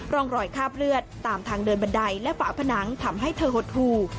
ร่องรอยคาบเลือดตามทางเดินบันไดและฝาผนังทำให้เธอหดหู